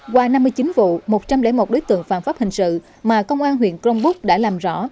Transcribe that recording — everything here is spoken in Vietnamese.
qua năm mươi chín vụ một trăm linh một đối tượng phạm pháp hình sự mà công an huyện crong búc đã làm rõ